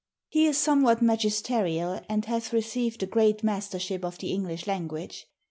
He is somewhat magisteriall, and hath received a great mastership of the English language.